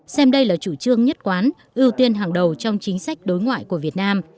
xem đây là chủ trương nhất quán ưu tiên hàng đầu trong chính sách đối ngoại của việt nam